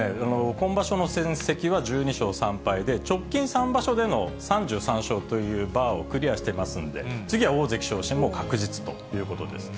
今場所の戦績は１２勝３敗で、直近３場所での３３勝というバーをクリアしてますので、次は大関昇進も確実ということです。